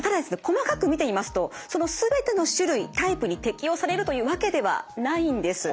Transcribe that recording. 細かく見てみますとその全ての種類タイプに適用されるというわけではないんです。